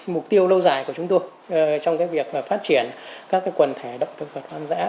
mục tiêu lâu dài của chúng tôi trong việc phát triển các quần thể động thực vật hoang dã